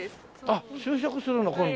あっ就職するの今度。